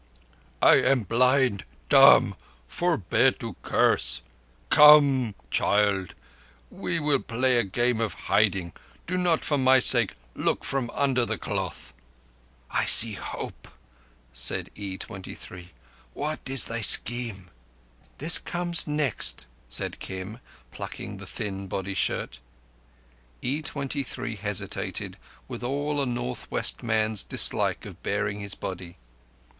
"I am blind—dumb. Forbear to curse! Co—come, child; we will play a game of hiding. Do not, for my sake, look from under the cloth." "I see hope," said E23. "What is thy scheme?" "This comes next," said Kim, plucking the thin body shirt. E23 hesitated, with all a North West man's dislike of baring his body.